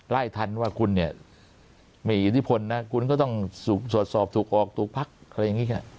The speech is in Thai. ไล่ทันว่าคุณเนี่ยมีอิทธิพลนะคุณก็ต้องตรวจสอบถูกออกถูกพักอะไรอย่างนี้ค่ะ